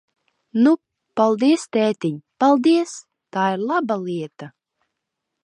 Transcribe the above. Nu, paldies, tētiņ, paldies! Tā ir laba lieta!